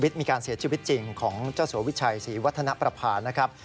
มีการเสียชีวิตจริงของเจ้าสัววิชัยศรีวัฒนประพานะครับ